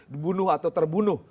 dibunuh atau terbunuh